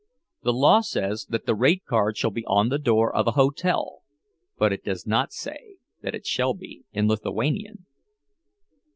The law says that the rate card shall be on the door of a hotel, but it does not say that it shall be in Lithuanian.